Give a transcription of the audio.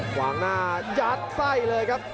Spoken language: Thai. ขวางหน้ายัดไส้เลยครับ